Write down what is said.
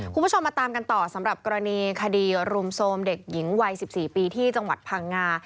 คุณผู้ชมมาตามกันต่อสำหรับกรณีคดีรุมโทรมเด็กหญิงวัย๑๔ปีที่จังหวัดพังงา